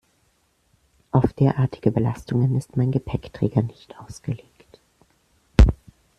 Auf derartige Belastungen ist mein Gepäckträger nicht ausgelegt.